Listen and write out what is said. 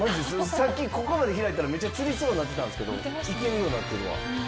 さっきここまで開いたらめっちゃつりそうになってたんですけどいけるようになってるわ。